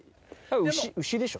牛でしょ。